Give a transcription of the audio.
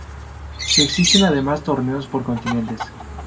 Existen además torneos por continentes.